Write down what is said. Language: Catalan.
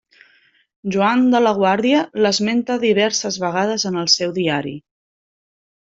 Joan de la Guàrdia l'esmenta diverses vegades en el seu Diari.